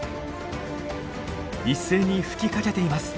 一斉に吹きかけています。